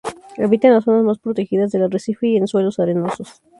Habita en las zonas más protegidas del arrecife y en suelos arenosos.